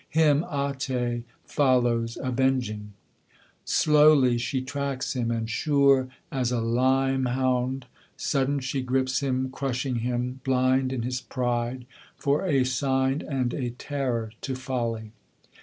Him Ate follows avenging; Slowly she tracks him and sure, as a lyme hound; sudden she grips him, Crushing him, blind in his pride, for a sign and a terror to folly.